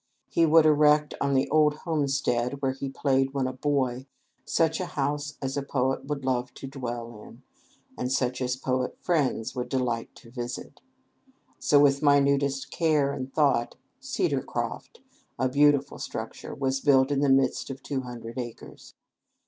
He would erect on the old homestead, where he played when a boy, such a house as a poet would love to dwell in, and such as poet friends would delight to visit. So, with minutest care and thought, "Cedarcroft," a beautiful structure, was built in the midst of two hundred acres.